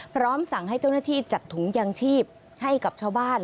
พร้อมสั่งให้เจ้าหน้าที่จัดถุงยางชีพให้กับชาวบ้าน